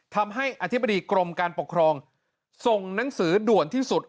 ทำให้อธิบดีกรมการปกครองส่งหนังสือด่วนที่สุด